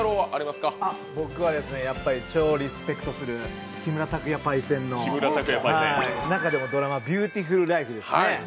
僕は超リスペクトする木村拓哉パイセンのドラマ「ビューティフルライフ」ですね。